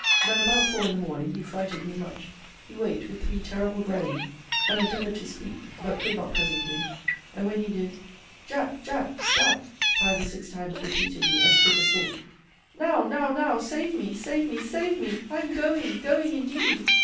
But, about four in the morning, he frighted me much: he waked with three terrible groans; and endeavoured to speak, but could not presently and when he did, Jack, Jack, Jack, five or six times repeated he as quick as thought, now, now, now, save me, save me, save me I am going going indeed!